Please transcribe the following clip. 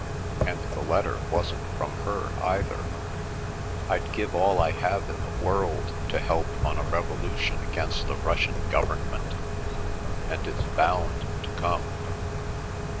And the letter wasn't from her, either. I'd give all I have in the world to help on a revolution against the Russian government, and it's bound to come."